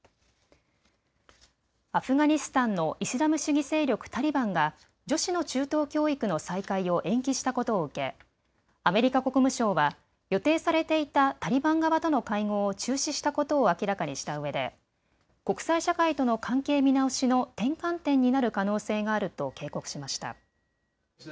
アフガニスタンのイスラム主義勢力、タリバンが女子の中等教育の再開を延期したことを受けアメリカ国務省は予定されていたタリバン側との会合を中止したことを明らかにしたうえで国際社会との関係見直しの転換点になる可能性があると警告しました。